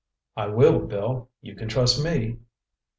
"I will, Bill, you can trust me."